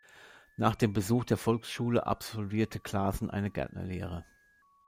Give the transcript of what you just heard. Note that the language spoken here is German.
Nach dem Besuch der Volksschule absolvierte Clasen eine Gärtnerlehre.